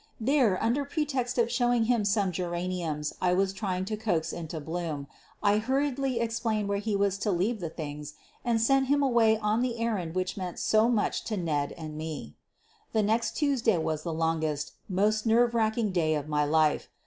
There, under pretext of showing him some gera niums I was trying to coax into bloom, I hurriedly explained where he was to leave the things and sent him away on the errand which meant so much to Ned and me. The next Tuesday was the longest, most nerve racking day of my life.